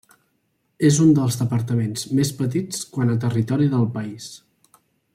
És uns dels departaments més petits quant a territori del país.